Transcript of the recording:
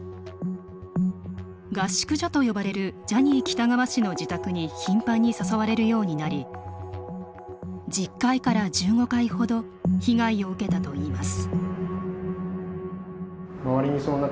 合宿所と呼ばれるジャニー喜多川氏の自宅に頻繁に誘われるようになり１０回から１５回程被害を受けたといいます。